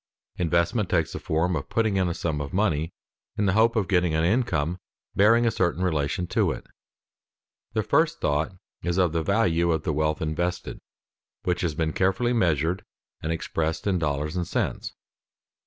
Investment takes the form of putting in a sum of money in the hope of getting an income bearing a certain relation to it. The first thought is of the value of the wealth invested, which has been carefully measured and expressed in dollars and cents.